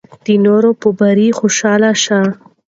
د نورو په بریا خوشحاله شئ.